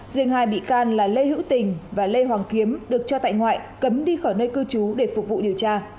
riêng hai bị can là lê hữu tình và lê hoàng kiếm được cho tại ngoại cấm đi khỏi nơi cư trú để phục vụ điều tra